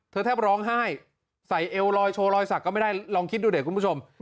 แทบร้องไห้ใส่เอวลอยโชว์รอยสักก็ไม่ได้ลองคิดดูดิคุณผู้ชม